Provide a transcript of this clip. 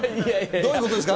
どういうことですか？